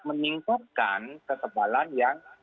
menimbulkan kekebalan yang